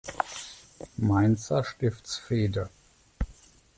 Mainzer Stiftsfehde.